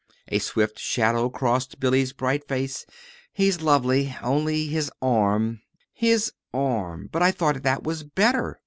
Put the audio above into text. A swift shadow crossed Billy's bright face. "He's lovely only his arm." "His arm! But I thought that was better."